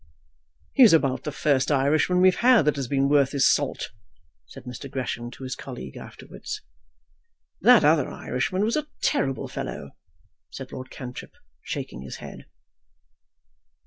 "He's about the first Irishman we've had that has been worth his salt," said Mr. Gresham to his colleague afterwards. "That other Irishman was a terrible fellow," said Lord Cantrip, shaking his head.